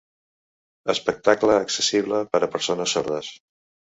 Espectacle accessible per a persones sordes.